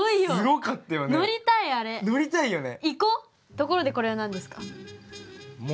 ところでこれは何ですか？